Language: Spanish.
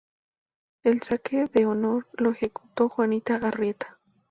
El saque de honor lo ejecutó Juanita Arrieta.